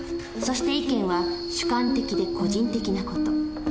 そして意見は主観的で個人的な事。